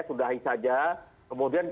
sudahi saja kemudian